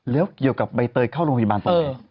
แล้วเกี่ยวกับใบเตยเข้าโรงพยาบาลตรงนี้